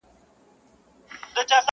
ګواکي ستا په حق کي هیڅ نه دي لیکلي!!